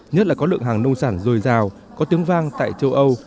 nhất là có lượng hàng nông sản dồi dào có tiếng vang tại châu âu